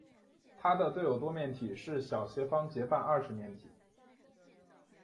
它的对偶多面体是小斜方截半二十面体。